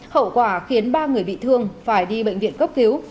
hậu quả khiến ba người bị thương phải đi bệnh viện cấp cứu